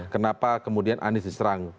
kenapa kemudian anies diserang